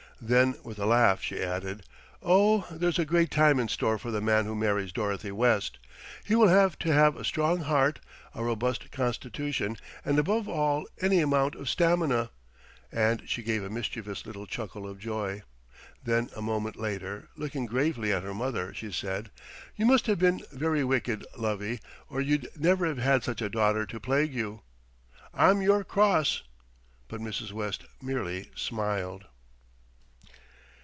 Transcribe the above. Then with a laugh she added, "Oh, there's a great time in store for the man who marries Dorothy West. He will have to have a strong heart, a robust constitution and above all any amount of stamina," and she gave a mischievous little chuckle of joy. Then a moment after, looking gravely at her mother she said, "You must have been very wicked, lovie, or you'd never have had such a daughter to plague you. I'm your cross;" but Mrs. West merely smiled.